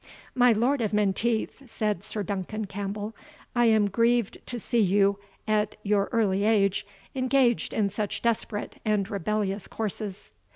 "My Lord of Menteith," said Sir Duncan Campbell, "I am grieved to see you, at your early age, engaged in such desperate and rebellious courses."